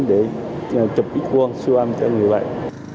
để chụp quân siêu âm cho người bệnh